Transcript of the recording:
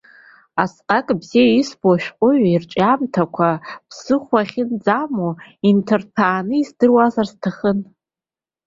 Асҟак бзиа избоз ашәҟәыҩҩы ирҿиамҭа, ԥсыхәа ахьынӡамоу, инҭырҭәааны издыруазар сҭахын.